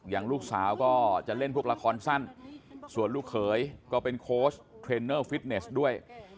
อย่างลูกสาวก็จะเล่นพวกละครสั้นส่วนลูกเขยก็เป็นโค้ชเทรนเนอร์ฟิตเนสด้วย